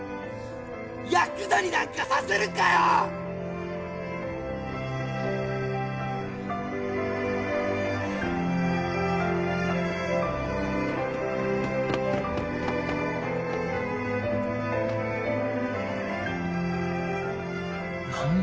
ヤクザになんかさせるかよ！難破？